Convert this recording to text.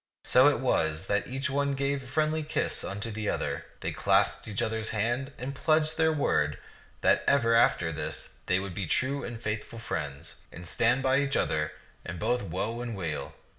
So it was that each one gave a friendly kiss unto the other. They clasped each other's hand and pledged their word that ever after this they would be true and faithful friends, and stand by each other in both woe and weal.